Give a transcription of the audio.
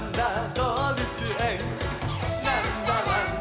どうぶつえん」